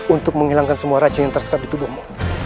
untuk menghilangkan semua racu yang terserap di tubuhmu